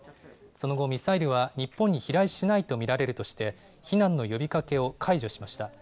その後、ミサイルは日本に飛来しないと見られるとして、避難の呼びかけを解除しました。